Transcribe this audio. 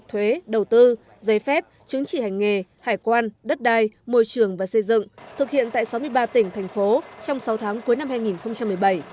thuế đầu tư giấy phép chứng chỉ hành nghề hải quan đất đai môi trường và xây dựng thực hiện tại sáu mươi ba tỉnh thành phố trong sáu tháng cuối năm hai nghìn một mươi bảy